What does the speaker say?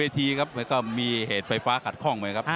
แต่มีเหตุไฟฟ้าขัดข้องไหมครับ